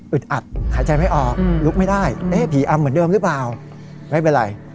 อัดหายใจไม่ออกลุกไม่ได้เอ๊ะผีอำเหมือนเดิมหรือเปล่าไม่เป็นไร